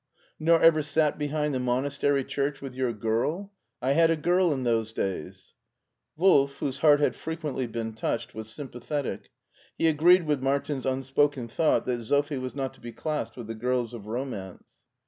" Nor ever sat behind the monastery church with your girl ? 1 had a girl in those days." Wolf, whose heart had frequently been touched, was sympathetic; he agreed with Martin's unspoken thought that Sophie was not to be classed with the girls of romance.